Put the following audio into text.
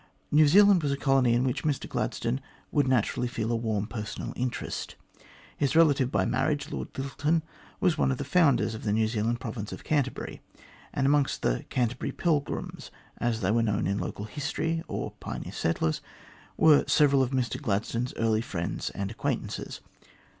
New Zealand was a colony in which Mr Gladstone would naturally feel a warm personal interest. His relative by marriage, Lord Lyttleton, was one of the founders of the New Zealand province of Canterbury, and amongst the " Canterbury Pilgrims " (as they are known in local history) or pioneer settlers, were several of Mr Glad stone's early friends and acquaintances.